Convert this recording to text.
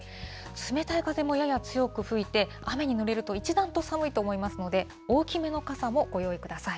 冷たい風もやや強く吹いて、雨に濡れると一段と寒いと思いますので、大きめの傘もご用意ください。